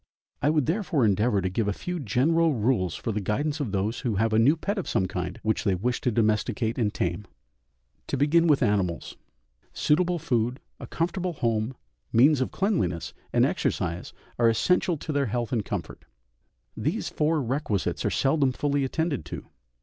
I would therefore endeavour to give a few general rules for the guidance of those who have a new pet of some kind, which they wish to domesticate and tame. To begin with animals; suitable food, a comfortable home, means of cleanliness, and exercise are essential to their health and comfort. These four requisites are seldom fully attended to.